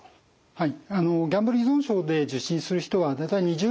はい。